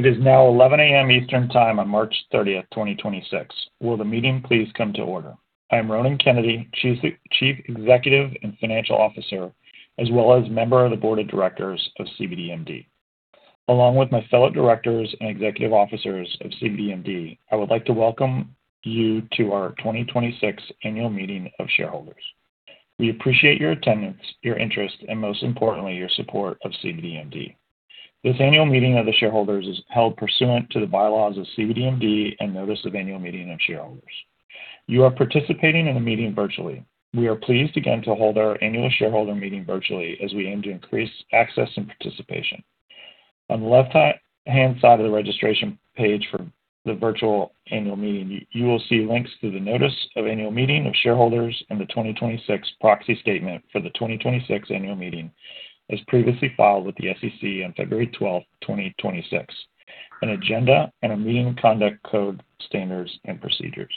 It is now 11:00 A.M. Eastern Time on March 30, 2026. Will the meeting please come to order? I am Ronan Kennedy, Chief Executive Officer and Chief Financial Officer, as well as member of the Board of Directors of cbdMD. Along with my fellow directors and executive officers of cbdMD, I would like to welcome you to our 2026 Annual Meeting of Shareholders. We appreciate your attendance, your interest, and most importantly, your support of cbdMD. This annual meeting of the shareholders is held pursuant to the bylaws of cbdMD and Notice of Annual Meeting of Shareholders. You are participating in the meeting virtually. We are pleased again to hold our annual shareholder meeting virtually as we aim to increase access and participation. On the left-hand side of the registration page for the virtual annual meeting, you will see links to the notice of annual meeting of shareholders and the 2026 proxy statement for the 2026 annual meeting, as previously filed with the SEC on February 12, 2026, an agenda and a meeting conduct code, standards, and procedures.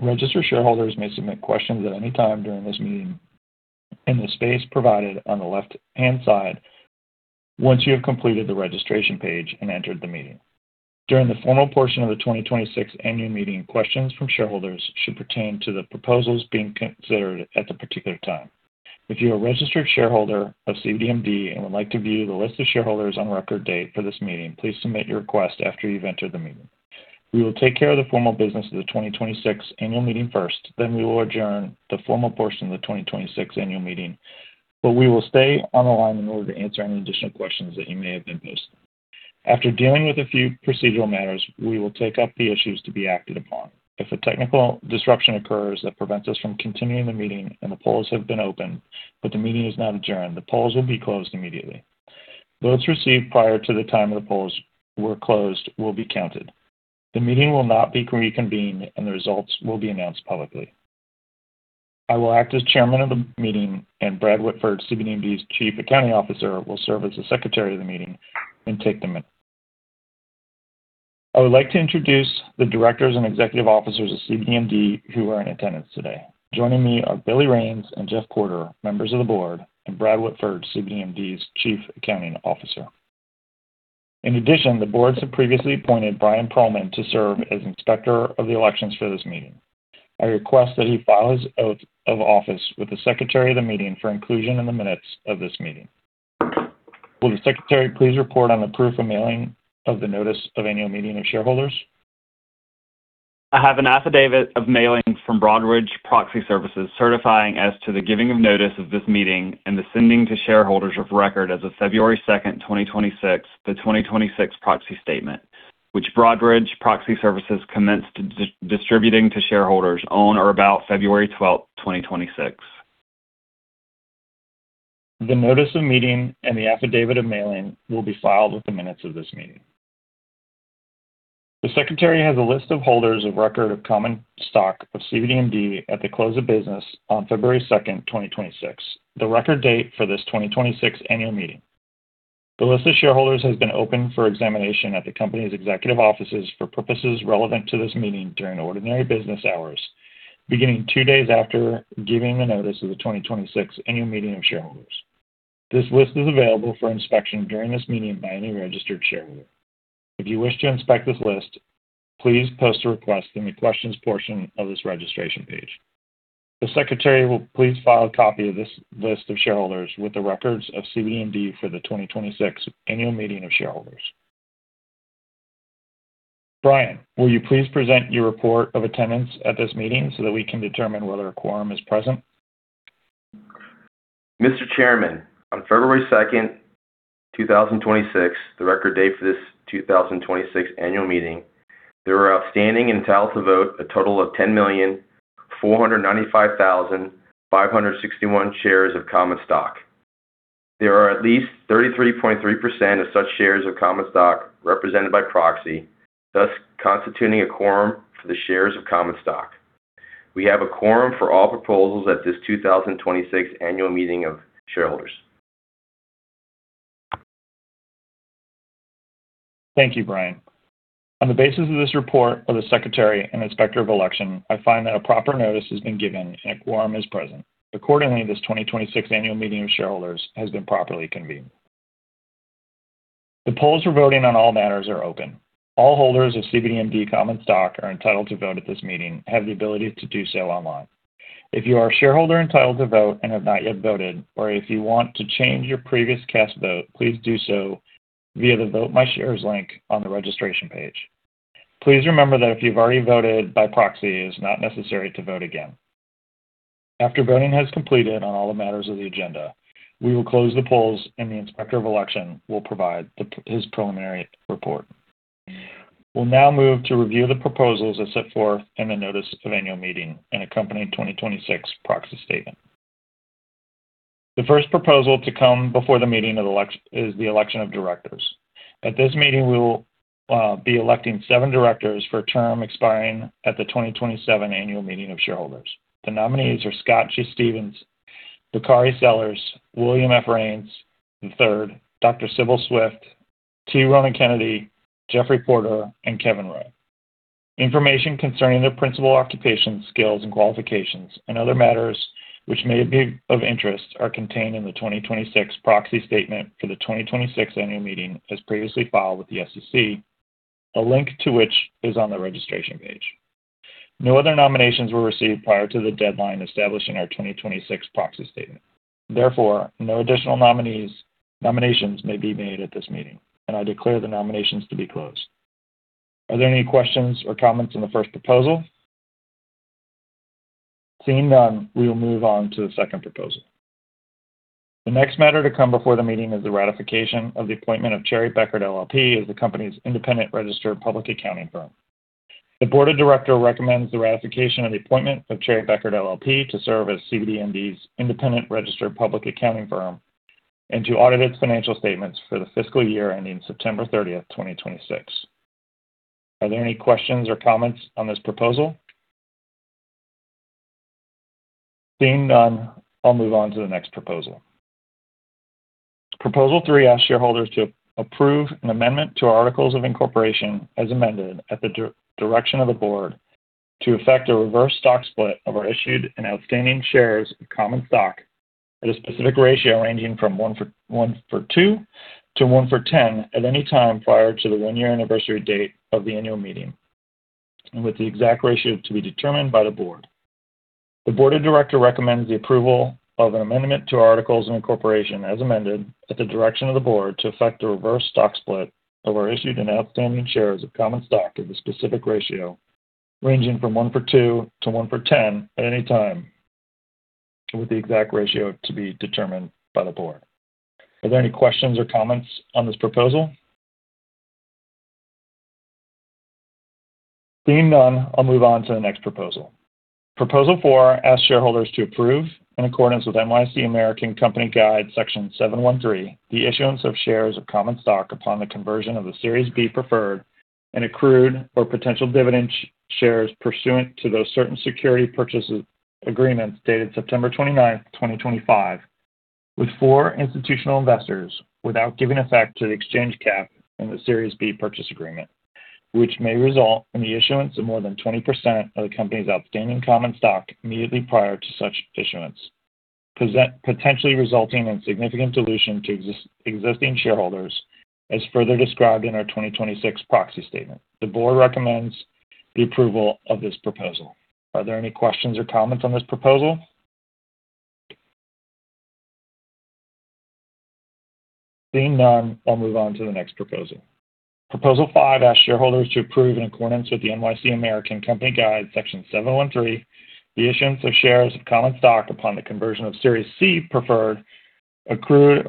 Registered shareholders may submit questions at any time during this meeting in the space provided on the left-hand side once you have completed the registration page and entered the meeting. During the formal portion of the 2026 annual meeting, questions from shareholders should pertain to the proposals being considered at the particular time. If you're a registered shareholder of cbdMD and would like to view the list of shareholders on record date for this meeting, please submit your request after you've entered the meeting. We will take care of the formal business of the 2026 annual meeting first, then we will adjourn the formal portion of the 2026 annual meeting, but we will stay on the line in order to answer any additional questions that may have been missed. After dealing with a few procedural matters, we will take up the issues to be acted upon. If a technical disruption occurs that prevents us from continuing the meeting and the polls have been open, but the meeting is not adjourned, the polls will be closed immediately. Votes received prior to the time the polls were closed will be counted. The meeting will not be reconvened, and the results will be announced publicly. I will act as Chairman of the meeting, and Brad Whitford, cbdMD's Chief Accounting Officer, will serve as the Secretary of the meeting and take the minutes. I would like to introduce the directors and executive officers of cbdMD who are in attendance today. Joining me are Billy Raines and Jeff Porter, members of the board, and Brad Whitford, cbdMD's Chief Accounting Officer. In addition, the boards have previously appointed Brian Pearlman to serve as Inspector of the elections for this meeting. I request that he file his oath of office with the Secretary of the meeting for inclusion in the minutes of this meeting. Will the Secretary please report on the proof of mailing of the notice of annual meeting of shareholders? I have an affidavit of mailing from Broadridge Financial Solutions certifying as to the giving of notice of this meeting and the sending to shareholders of record as of February 2, 2026, the 2026 proxy statement, which Broadridge Financial Solutions commenced distributing to shareholders on or about February 12, 2026. The Notice of Meeting and the Affidavit of Mailing will be filed with the minutes of this meeting. The Secretary has a list of holders of record of common stock of cbdMD at the close of business on February 2, 2026, the record date for this 2026 annual meeting. The list of shareholders has been open for examination at the company's executive offices for purposes relevant to this meeting during ordinary business hours, beginning two days after giving the notice of the 2026 annual meeting of shareholders. This list is available for inspection during this meeting by any registered shareholder. If you wish to inspect this list, please post a request in the questions portion of this registration page. The Secretary will please file a copy of this list of shareholders with the records of cbdMD for the 2026 annual meeting of shareholders. Brian, will you please present your report of attendance at this meeting so that we can determine whether a quorum is present? Mr. Chairman, on February 2, 2026, the record date for this 2026 annual meeting, there were outstanding and entitled to vote a total of 10,495,561 shares of common stock. There are at least 33.3% of such shares of common stock represented by proxy, thus constituting a quorum for the shares of common stock. We have a quorum for all proposals at this 2026 Annual Meeting of Shareholders. Thank you, Brian. On the basis of this report of the Secretary and Inspector of Election, I find that a proper notice has been given and a quorum is present. Accordingly, this 2026 Annual Meeting of Shareholders has been properly convened. The polls for voting on all matters are open. All holders of cbdMD common stock are entitled to vote at this meeting and have the ability to do so online. If you are a shareholder entitled to vote and have not yet voted, or if you want to change your previous cast vote, please do so via the Vote My Shares link on the registration page. Please remember that if you've already voted by proxy, it is not necessary to vote again. After voting has completed on all the matters of the agenda, we will close the polls, and the Inspector of Elections will provide his preliminary report. We'll now move to review the proposals as set forth in the notice of annual meeting and accompanying 2026 proxy statement. The first proposal to come before the meeting is the election of directors. At this meeting, we will be electing seven directors for a term expiring at the 2027 Annual Meeting of Shareholders. The nominees are Scott G. Stephen, Bakari Sellers, William F. Raines the Third, Dr. Sibyl Swift, T. Ronan Kennedy, Jeffrey Porter, and Kevin Roe. Information concerning their principal occupation, skills and qualifications, and other matters which may be of interest are contained in the 2026 proxy statement for the 2026 annual meeting, as previously filed with the SEC, a link to which is on the registration page. No other nominations were received prior to the deadline established in our 2026 proxy statement. Therefore, no additional nominees, nominations may be made at this meeting, and I declare the nominations to be closed. Are there any questions or comments on the first proposal? Seeing none, we will move on to the second proposal. The next matter to come before the meeting is the ratification of the appointment of Cherry Bekaert LLP as the company's independent registered public accounting firm. The board of directors recommends the ratification of the appointment of Cherry Bekaert LLP to serve as cbdMD's independent registered public accounting firm and to audit its financial statements for the fiscal year ending September 30, 2026. Are there any questions or comments on this proposal? Seeing none, I'll move on to the next proposal. Proposal three asks shareholders to approve an amendment to our articles of incorporation, as amended, at the direction of the board to effect a reverse stock split of our issued and outstanding shares of common stock at a specific ratio ranging from 1-for-2 to 1-for-10 at any time prior to the one-year anniversary date of the annual meeting, and with the exact ratio to be determined by the board. The Board of Directors recommends the approval of an amendment to our articles of incorporation, as amended, at the direction of the Board to effect a reverse stock split of our issued and outstanding shares of common stock at a specific ratio ranging from 1-for-2 to 1-for-10 at any time, with the exact ratio to be determined by the Board. Are there any questions or comments on this proposal? Seeing none, I'll move on to the next proposal. Proposal four asks shareholders to approve, in accordance with NYSE American Company Guide Section 713, the issuance of shares of common stock upon the conversion of the Series B Preferred Stock and accrued or potential dividend shares pursuant to those certain security purchase agreements dated September 29, 2025, with four institutional investors without giving effect to the Exchange Cap in the Series B purchase agreement, which may result in the issuance of more than 20% of the company's outstanding common stock immediately prior to such issuance, potentially resulting in significant dilution to existing shareholders, as further described in our 2026 proxy statement. The board recommends the approval of this proposal. Are there any questions or comments on this proposal? Seeing none, I'll move on to the next proposal. Proposal 5 asks shareholders to approve, in accordance with the NYSE American Company Guide Section 713, the issuance of shares of common stock upon the conversion of Series C preferred, accrued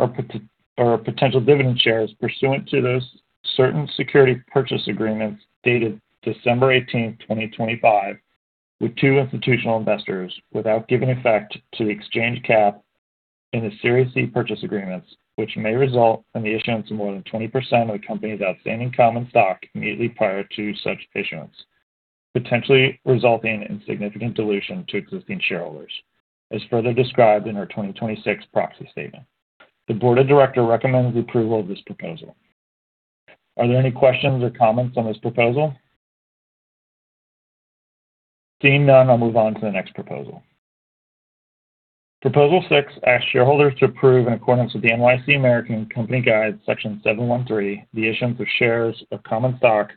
or potential dividend shares pursuant to those certain security purchase agreements dated December 18, 2025, with two institutional investors, without giving effect to the Exchange Cap in the Series C purchase agreements, which may result in the issuance of more than 20% of the company's outstanding common stock immediately prior to such issuance, potentially resulting in significant dilution to existing shareholders, as further described in our 2026 proxy statement. The Board of Directors recommends approval of this proposal. Are there any questions or comments on this proposal? Seeing none, I'll move on to the next proposal. Proposal six asks shareholders to approve, in accordance with the NYSE American Company Guide Section 713, the issuance of shares of common stock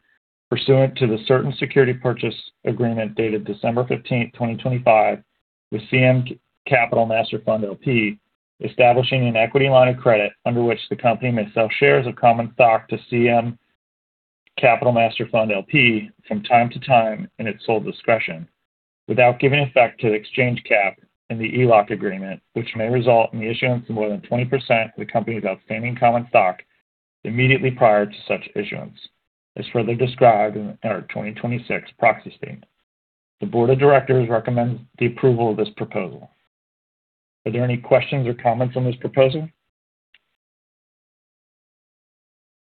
pursuant to the certain security purchase agreement dated December 15th, 2025, with CMC Master Fund, LP, establishing an equity line of credit under which the company may sell shares of common stock to CMC Master Fund, LP from time to time in its sole discretion, without giving effect to the Exchange Cap in the ELOC agreement, which may result in the issuance of more than 20% of the company's outstanding common stock immediately prior to such issuance, as further described in our 2026 proxy statement. The board of directors recommends the approval of this proposal. Are there any questions or comments on this proposal?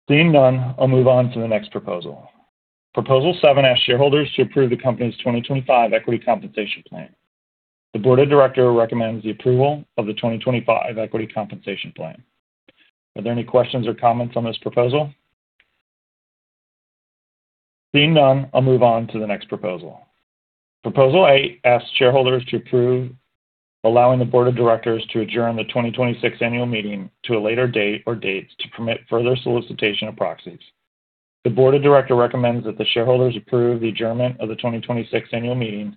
Seeing none, I'll move on to the next proposal. Proposal seven asks shareholders to approve the company's 2025 Equity Compensation Plan. The board of directors recommends the approval of the 2025 Equity Compensation Plan. Are there any questions or comments on this proposal? Seeing none, I'll move on to the next proposal. Proposal eight asks shareholders to approve allowing the board of directors to adjourn the 2026 annual meeting to a later date or dates to permit further solicitation of proxies. The board of directors recommends that the shareholders approve the adjournment of the 2026 annual meeting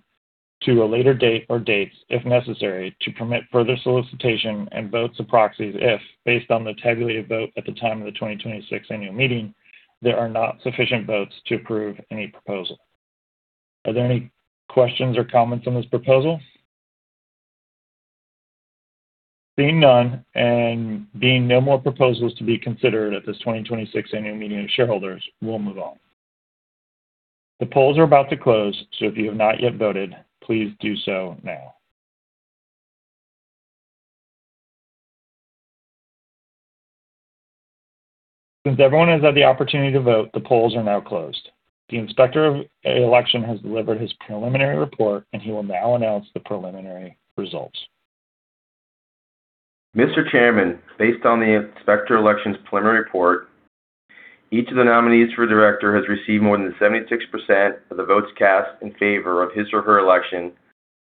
to a later date or dates if necessary, to permit further solicitation and votes of proxies if, based on the tabulated vote at the time of the 2026 annual meeting, there are not sufficient votes to approve any proposal. Are there any questions or comments on this proposal? Seeing none and being no more proposals to be considered at this 2026 annual meeting of shareholders, we'll move on. The polls are about to close, so if you have not yet voted, please do so now. Since everyone has had the opportunity to vote, the polls are now closed. The Inspector of Elections has delivered his preliminary report, and he will now announce the preliminary results. Mr. Chairman, based on the inspector of elections preliminary report, each of the nominees for director has received more than 76% of the votes cast in favor of his or her election,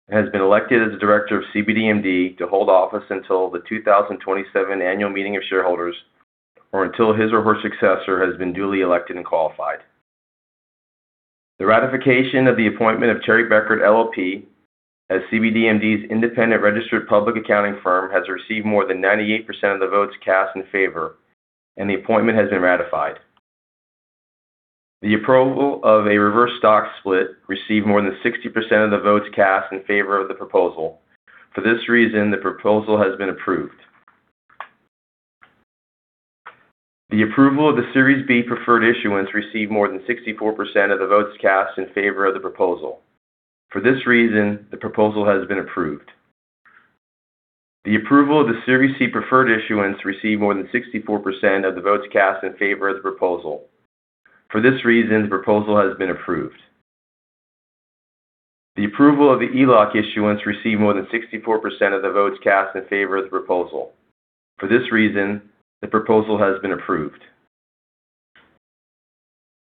and has been elected as a director of cbdMD to hold office until the 2027 annual meeting of shareholders, or until his or her successor has been duly elected and qualified. The ratification of the appointment of Cherry Bekaert LLP as cbdMD's independent registered public accounting firm has received more than 98% of the votes cast in favor, and the appointment has been ratified. The approval of a reverse stock split received more than 60% of the votes cast in favor of the proposal. For this reason, the proposal has been approved. The approval of the Series B Preferred issuance received more than 64% of the votes cast in favor of the proposal. For this reason, the proposal has been approved. The approval of the Series C Preferred issuance received more than 64% of the votes cast in favor of the proposal. For this reason, the proposal has been approved. The approval of the ELOC issuance received more than 64% of the votes cast in favor of the proposal. For this reason, the proposal has been approved.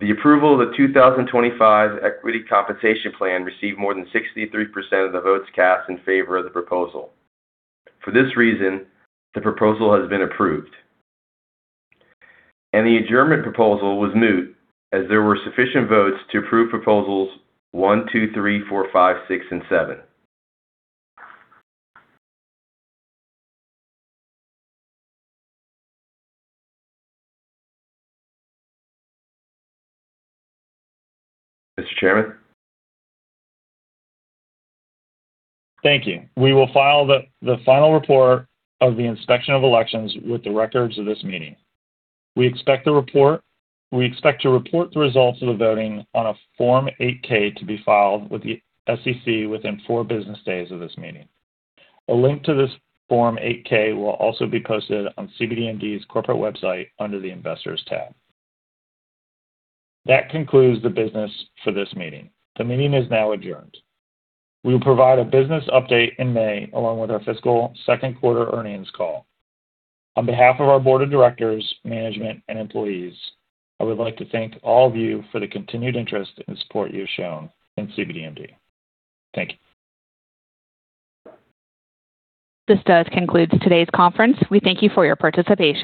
The approval of the 2025 Equity Compensation Plan received more than 63% of the votes cast in favor of the proposal. For this reason, the proposal has been approved. The adjournment proposal was moot as there were sufficient votes to approve proposals one, two, three, four, five, six, and seven. Mr. Chairman? Thank you. We will file the final report of the Inspector of Elections with the records of this meeting. We expect to report the results of the voting on a Form 8-K to be filed with the SEC within four business days of this meeting. A link to this Form 8-K will also be posted on cbdMD's corporate website under the Investors tab. That concludes the business for this meeting. The meeting is now adjourned. We will provide a business update in May, along with our fiscal second quarter earnings call. On behalf of our board of directors, management, and employees, I would like to thank all of you for the continued interest and support you've shown in cbdMD. Thank you. This does conclude today's conference. We thank you for your participation.